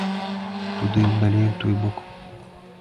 Туды, далей у той бок.